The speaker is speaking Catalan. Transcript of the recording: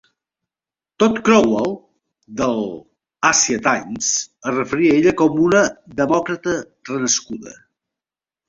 Todd Crowell, del "Asia Times", es referia a ella com una "demòcrata renascuda".